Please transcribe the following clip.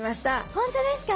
本当ですか。